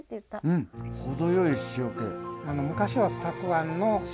うん程よい塩け。